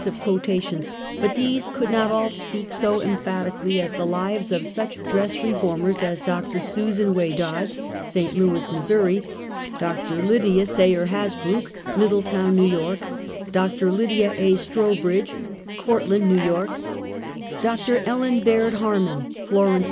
.of quotations, but these could not all speak so em phatically as the lives of such dress reformers as Dr. Susan Way Dodds, St. Louis, Mo. ; Dr. Lydia Sayer Hasbrouck, Middletown, i^". Y. : Dr. Lydia A. Strow bridge, Cortland, N". Y. ; Dr. Ellen Baird Ilarman, ^'iorence, iT.